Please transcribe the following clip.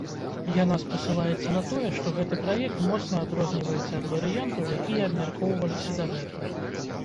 Яна спасылаецца на тое, што гэты праект моцна адрозніваецца ад варыянтаў, якія абмяркоўваліся дагэтуль.